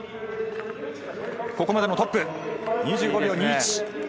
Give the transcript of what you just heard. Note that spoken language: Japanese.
ここまでもトップ、２５秒２１。